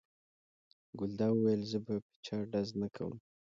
ګلداد وویل: زه په چا ډز نه کوم.